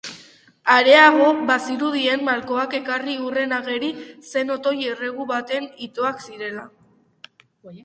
Areago, bazirudien malkoak ekarri hurren ageri zen otoi-erregu batean itoak zirela.